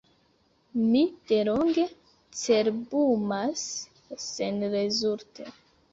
Mi delonge cerbumas senrezulte.